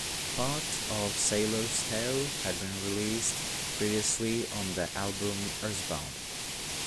Part of "Sailor's Tale" had been released previously on the album "Earthbound".